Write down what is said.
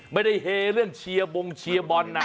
ไม่ได้เฮเรื่องเชียร์บงเชียร์บอลนะ